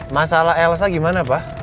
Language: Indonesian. masalah elsa gimana pak